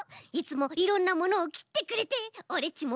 いつもいろんなものをきってくれてオレっ